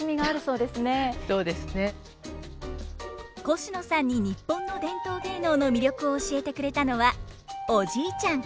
コシノさんに日本の伝統芸能の魅力を教えてくれたのはおじいちゃん！